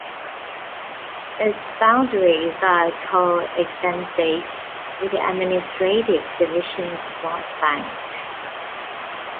Its boundaries are co-extensive with the administrative division of North Bank.